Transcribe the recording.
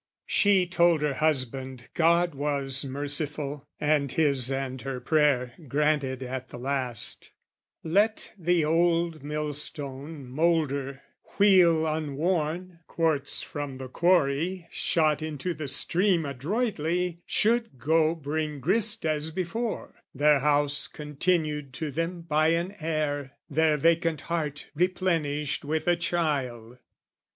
She told her husband God was merciful, And his and her prayer granted at the last: Let the old mill stone moulder, wheel unworn, Quartz from the quarry, shot into the stream Adroitly, should go bring grist as before Their house continued to them by an heir, Their vacant heart replenished with a child.